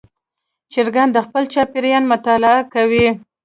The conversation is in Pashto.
چرګان د خپل چاپېریال مطالعه کوي.